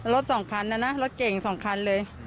รถสองคันนะนะรถเก่งสองคันเลย